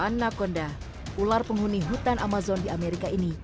annakonda ular penghuni hutan amazon di amerika ini